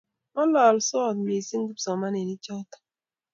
ng'ololsot mising kipsomaninik choto